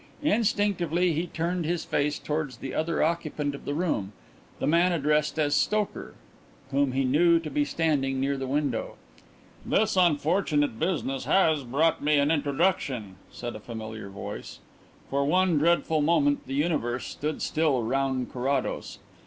Instinctively he turned his face towards the other occupant of the room, the man addressed as "Stoker," whom he knew to be standing near the window. "This unfortunate business has brought me an introduction," said a familiar voice. For one dreadful moment the universe stood still round Carrados.